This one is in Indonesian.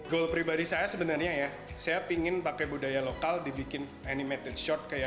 goal pribadi saya sebenarnya ya saya ingin pakai budaya lokal dibikin animated short kayak